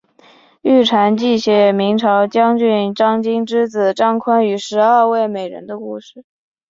玉蟾记写明朝将军张经之子张昆与十二位美人的故事。